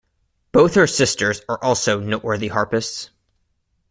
Both her sisters are also noteworthy harpists.